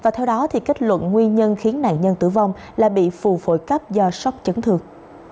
theo đó kết luận nguyên nhân khiến nạn nhân tử vong là bị phù phổi cấp do sốc chấn thương